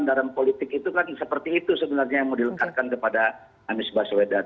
pandaran politik itu kan seperti itu sebenarnya yang mau dilekatkan kepada anis baswedan